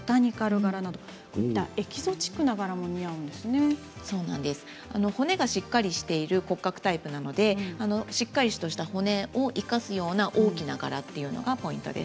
柄はエキゾチックな柄も骨がしっかりしている骨格タイプなのでそれを生かすような大きな柄がポイントです。